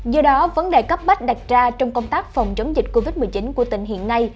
do đó vấn đề cấp bách đặt ra trong công tác phòng chống dịch covid một mươi chín của tỉnh hiện nay